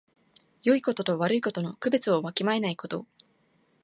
よいことと悪いことの区別をわきまえないこと。